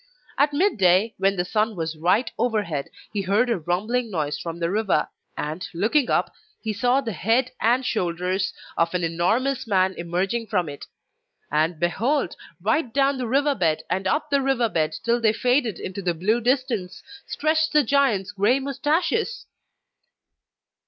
At midday, when the sun was right overhead, he heard a rumbling noise from the river, and looking up he saw the head and shoulders of an enormous man emerging from it. And behold! right down the river bed and up the river bed, till they faded into the blue distance, stretched the giant's grey moustaches!